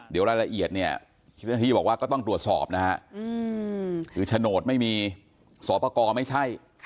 เดี๋ยวไล่ละเอียดเนี่ยที่บอกว่าก็ต้องตรวจสอบนะค่ะ